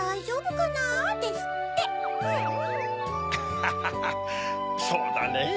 アハハハそうだねぇ。